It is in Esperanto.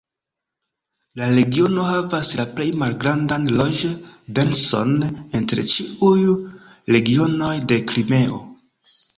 La regiono havas la plej malgrandan loĝ-denson inter ĉiuj regionoj de Krimeo.